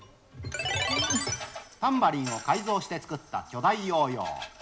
タンバリンを改造して作った巨大ヨーヨー。